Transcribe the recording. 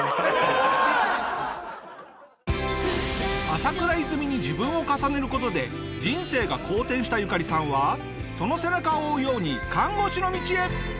朝倉いずみに自分を重ねる事で人生が好転したユカリさんはその背中を追うように看護師の道へ！